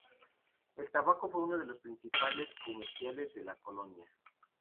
El tabaco fue uno de los principales cultivos comerciales de la colonia.